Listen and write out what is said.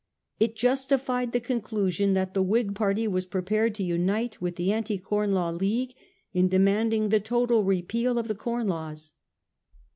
It justified the conclusion that the Whig party was prepared to unite with the Anti Corn Law League in demanding the total repeal of the Com Laws.